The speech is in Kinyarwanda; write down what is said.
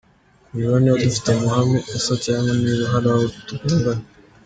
– Kureba niba dufite amahame asa cg niba hari aho tugongana